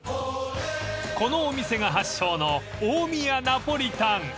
［このお店が発祥の大宮ナポリタン］